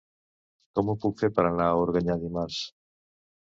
Com ho puc fer per anar a Organyà dimarts?